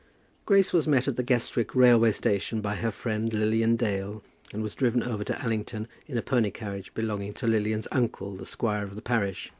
Grace was met at the Guestwick railway station by her friend Lilian Dale, and was driven over to Allington in a pony carriage belonging to Lilian's uncle, the squire of the parish.